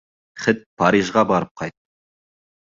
Хет Парижға барып ҡайт.